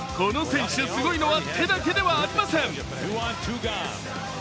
この選手、すごいのは手だけではありません。